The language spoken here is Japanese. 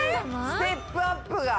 ステップアップが。